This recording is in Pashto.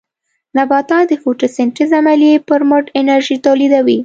نباتات د فوټوسنټیز عملیې پرمټ انرژي تولیدوي.